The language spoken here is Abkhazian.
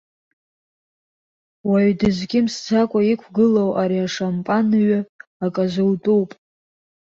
Уаҩ дызкьымсӡакәа иқәгылоу ари ашампан ҩы акы азутәуп.